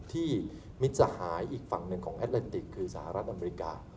มิตรสหายอีกฝั่งหนึ่งของแอดแลนติกคือสหรัฐอเมริกา